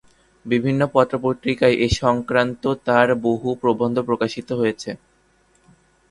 বিভিন্ন পত্র-পত্রিকায় এ সংক্রান্ত তাঁর বহু প্রবন্ধ প্রকাশিত হয়েছে।